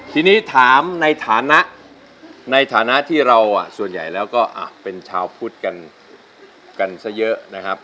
ทีนี้ถามในฐานะในฐานะที่เราส่วนใหญ่แล้วก็เป็นชาวพุทธกันซะเยอะนะครับ